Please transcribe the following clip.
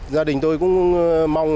gia đình tôi cũng mong